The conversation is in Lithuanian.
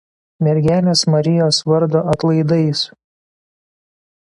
Mergelės Marijos Vardo atlaidais.